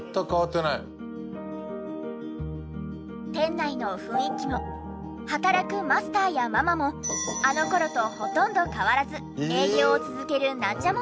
店内の雰囲気も働くマスターやママもあの頃とほとんど変わらず営業を続けるなんじゃもんじゃ。